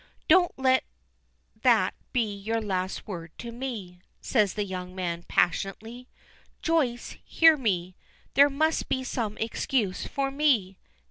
"Don't let that be your last word to me," says the young man, passionately. "Joyce, hear me! There must be some excuse for me."